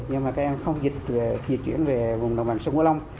nhưng mà các em không dịch chuyển về vùng đồng bằng sông hồ long